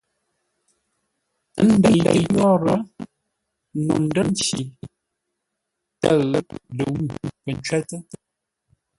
Ə́ ndeitə́ yórə́, no ndə́r nci tə̂ʉ, ləwʉ̂ pə̂ ncwótə́.